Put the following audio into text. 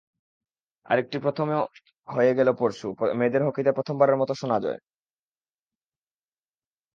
আরেকটি প্রথমও হয়ে গেল পরশু, মেয়েদের হকিতে প্রথমবারের মতো সোনা জয়।